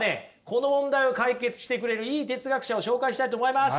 この問題を解決してくれるいい哲学者を紹介したいと思います。